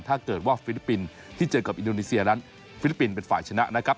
ถ้าเกิดว่าฟิลิปปินส์ที่เจอกับอินโดนีเซียนั้นฟิลิปปินส์เป็นฝ่ายชนะนะครับ